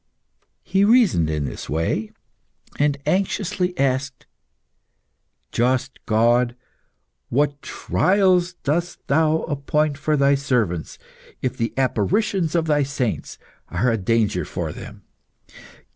He reasoned in this way, and anxiously asked "Just God, what trials dost Thou appoint for Thy servants if the apparitions of Thy saints are a danger for them?